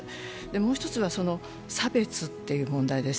もう一つは、差別っていう問題です。